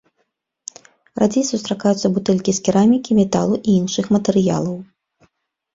Радзей сустракаюцца бутэлькі з керамікі, металу і іншых матэрыялаў.